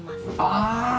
ああ！